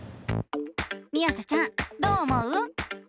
みあさちゃんどう思う？